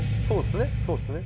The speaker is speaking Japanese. そうっすね